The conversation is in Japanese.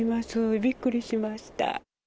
びっくりしました。